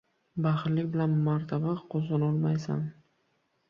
— Baxillik bilan martaba qozonolmaysan.